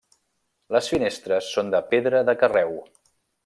Les finestres són de pedra de carreu.